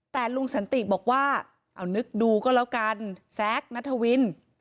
แต่ลุงสันติบอกว่าเอานึกดูก็แล้วกันแซคนัทวิน